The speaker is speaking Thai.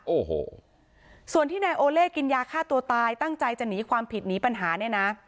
โอ้โหส่วนที่นายโอเล่กินยาฆ่าตัวตายตั้งใจจะหนีความผิดหนีปัญหาเนี่ยนะ